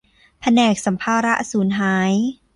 แผนกสัมภาระสูญหาย